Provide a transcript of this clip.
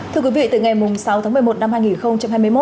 thưa quý vị từ ngày sáu tháng một mươi một năm hai nghìn hai mươi một